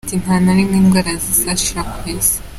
Ati “Nta na rimwe indwara zizashira ku isi.